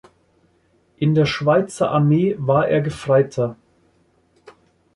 In der Schweizer Armee war er Gefreiter.